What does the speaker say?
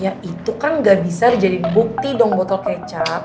ya itu kan gak bisa jadi bukti dong botol kecap